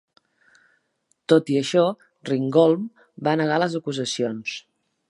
Tot i això, Ringholm va negar les acusacions.